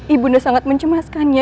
ibunda sangat mencemaskannya